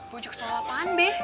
bujuk soal apaan be